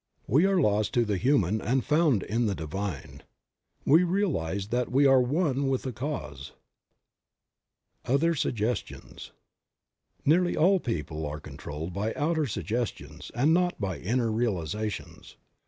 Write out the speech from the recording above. We are lost to the human and found in the divine. We realize that we are One with Cause. 22 Creative Mind. OUTER SUGGESTIONS. j^EARLY all people are controlled by outer suggestions, and not by inner realizations.